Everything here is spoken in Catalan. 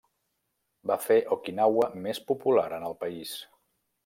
Va fer Okinawa més popular en el país.